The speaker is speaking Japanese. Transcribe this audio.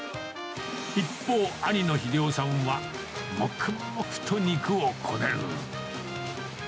一方、兄の英夫さんは黙々と肉をこねる。